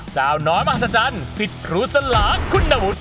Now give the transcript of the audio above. สาวน้อยมหัศจรรย์สิทธิ์ครูสลาคุณวุฒิ